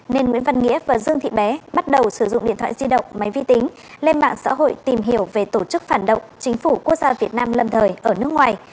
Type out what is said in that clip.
nên nguyễn văn nghĩa và dương thị bé bắt đầu sử dụng điện thoại di động máy vi tính lên mạng xã hội tìm hiểu về tổ chức phản động chính phủ quốc gia việt nam lâm thời ở nước ngoài